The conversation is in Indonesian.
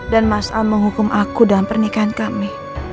dan mas al menghukum aku dalam pernikahan kami